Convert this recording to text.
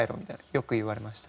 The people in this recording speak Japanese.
よく言われました。